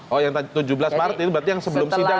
oh yang tujuh belas maret itu berarti yang sebelum sidang